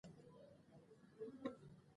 یاقوت د افغانانو د ګټورتیا برخه ده.